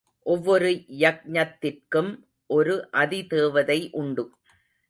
ஒவ்வொரு யக்ஞத்திற்கும் ஒரு அதி தேவதை உண்டு.